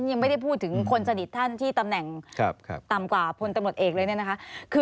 ยังไม่ได้พูดถึงคนสนิทท่านที่ตำแหน่งต่ำกว่าพลตำรวจเอกเลยเนี่ยนะคะ